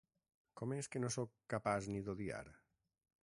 Com és que no sóc capaç ni d'odiar?